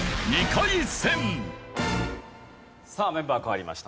さあメンバー変わりました。